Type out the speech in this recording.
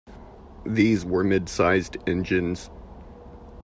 These were mid-sized engines.